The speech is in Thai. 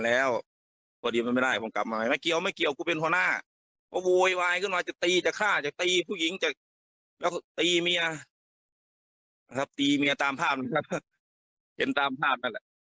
มันมาปลอตั้งแต่หัวค่ำแล้วกลางวันแล้ว